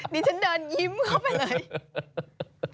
ดิฉันเดินยิ้มเข้าไปเลย